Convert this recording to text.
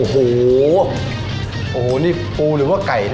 โอ้โหนี่ปูหรือว่าไก่